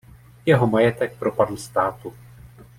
Jeho majetek propadl státu.